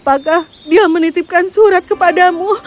apakah dia menitipkan surat kepadamu